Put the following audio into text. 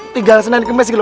tinggal senang gemes gitu loh